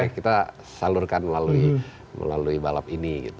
kita salurkan melalui balap ini